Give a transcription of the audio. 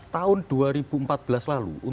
tahun dua ribu empat belas lalu